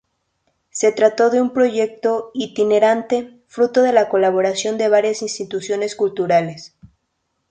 Se trató de un proyecto itinerante fruto de la colaboración de varias instituciones culturales.